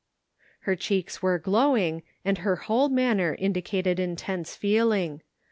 Her cheeks were glowing, and her whole manner indicated intense feeling.